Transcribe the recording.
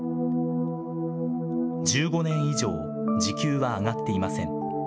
１５年以上、時給は上がっていません。